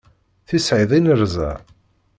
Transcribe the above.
Tisεiḍ inerza?